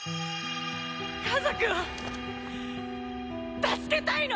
家族を助けたいの！